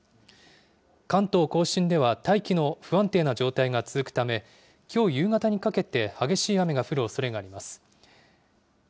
関東甲信では大気の不安定な状態が続くため、きょう夕方にかけて激しい雨が降るおそれがあります。